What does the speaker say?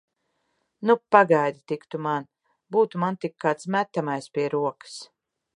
Nu, pagaidi tik tu man! Būtu man tik kāds metamais pie rokas!